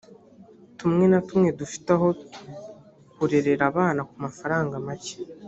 tumwe na tumwe dufite aho kurerera abana ku mafaranga make